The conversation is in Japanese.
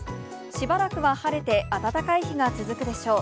しばらくは晴れて、暖かい日が続くでしょう。